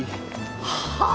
はあ？